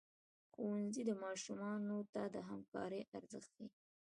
ښوونځی ماشومانو ته د همکارۍ ارزښت ښيي.